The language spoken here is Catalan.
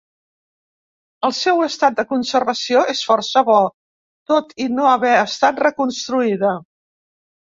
El seu estat de conservació és força bo, tot i no haver estat reconstruïda.